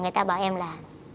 người ta bảo em là